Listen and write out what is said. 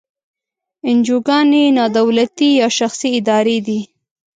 انجوګانې نا دولتي یا شخصي ادارې دي.